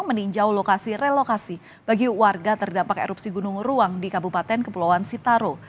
meninjau lokasi relokasi bagi warga terdampak erupsi gunung ruang di kabupaten kepulauan sitaro